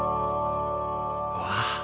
わあ！